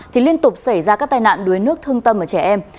thì liên tục xảy ra các tai nạn đuối nước thương tâm ở trẻ em